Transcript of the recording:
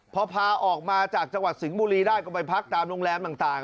พอพาออกมาจากจังหวัดสิงห์บุรีได้ก็ไปพักตามโรงแรมต่าง